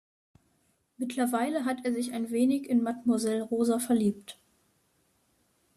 Mittlerweile hat er sich ein wenig in Mademoiselle Rosa verliebt.